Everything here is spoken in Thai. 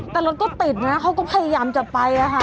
แต่รถก็ติดนะเขาก็พยายามจะไปอะค่ะ